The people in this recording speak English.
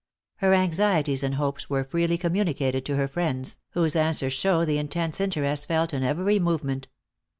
Her anxieties and hopes were freely communicated to her friends, whose answers show the intense interest felt in every movement.